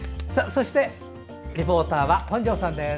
そして、リポーターは本庄さんです。